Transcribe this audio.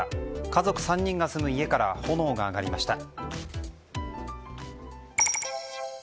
家族３人が住む家から炎が上がりました。